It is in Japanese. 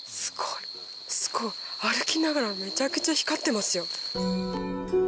すごい歩きながらめちゃくちゃ光ってますよ。